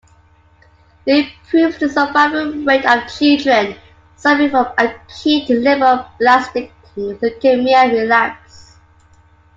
It improves the survival rate of children suffering from acute lymphoblastic leukemia relapse.